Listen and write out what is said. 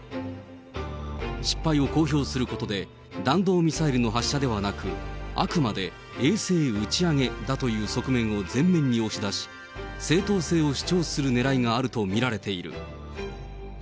失敗を公表することで、弾道ミサイルの発射ではなく、あくまで衛星打ち上げだという側面を前面に押し出し、正当性を主張するねらいがあると見られている。